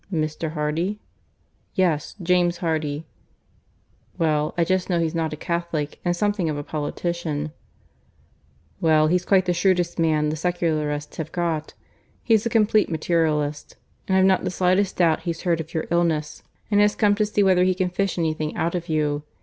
"Mr. Hardy?" "Yes James Hardy." "Well I just know he's not a Catholic; and something of a politician." "Well, he's quite the shrewdest man the secularists have got. He's a complete materialist. And I've not the slightest doubt he's heard of your illness and has come to see whether he can fish anything out of you.